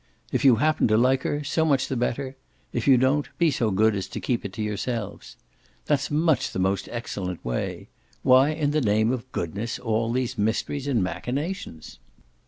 If you happen to like her so much the better; if you don't be so good as to keep it to yourselves.' That's much the most excellent way. Why in the name of goodness all these mysteries and machinations?"